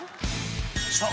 さあ